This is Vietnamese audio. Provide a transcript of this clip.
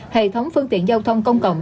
hệ thống phương tiện giao thông công cộng